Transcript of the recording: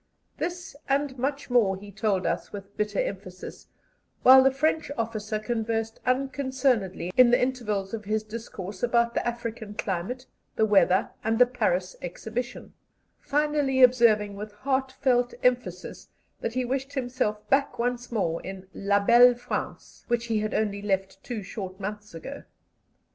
This, and much more, he told us with bitter emphasis, while the French officer conversed unconcernedly in the intervals of his discourse about the African climate, the weather, and the Paris Exhibition; finally observing with heart felt emphasis that he wished himself back once more in "La Belle France," which he had only left two short months ago.